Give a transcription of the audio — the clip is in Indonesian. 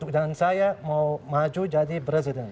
dan saya mau maju jadi presiden